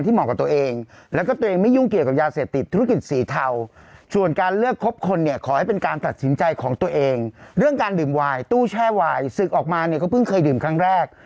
ตู้แช่ไวน์สึกออกมาก็เพิ่งเคยดื่มครั้งแรก